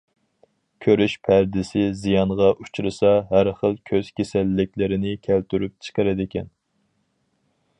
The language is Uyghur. كۆرۈش پەردىسى زىيانغا ئۇچرىسا ھەر خىل كۆز كېسەللىكلىرىنى كەلتۈرۈپ چىقىرىدىكەن.